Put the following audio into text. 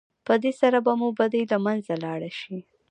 په دې سره به مو بدۍ له منځه لاړې شي.